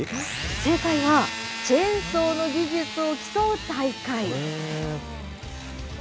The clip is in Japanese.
正解は、チェーンソーの技術を競う大会。